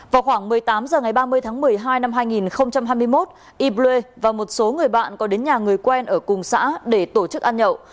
vào khoảng một mươi tám h ngày ba mươi tháng một mươi hai năm hai nghìn hai mươi một y bre và một số người bạn có đến nhà người quen ở cùng xã để tổ chức ăn nhậu